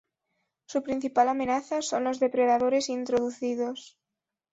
Su principal amenaza son los depredadores introducidos.